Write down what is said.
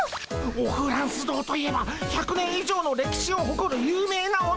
オフランス堂といえば１００年以上の歴史をほこる有名なお店。